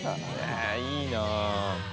いいな。